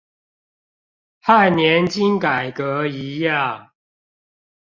和年金改革一樣